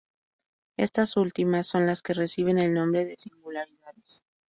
Estas últimas son las que reciben el nombre de "singularidades".